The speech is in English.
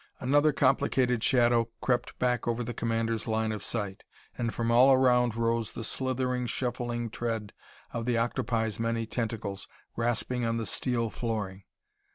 Another complicated shadow crept back over the commander's line of sight, and from all around rose the slithering, shuffling tread of the octopi's many tentacles, rasping on the steel flooring.